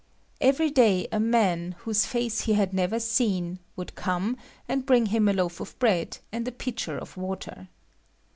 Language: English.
Every day a man, whose face he had never seen, would come and bring him a loaf of bread and a pitcher of water.